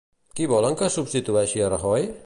Qui volen que substitueixi a Rajoy?